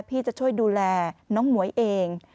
พี่จะช่วยดูแลน้องหมวยเอง